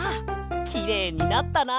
きれいになったな。